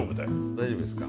大丈夫ですか？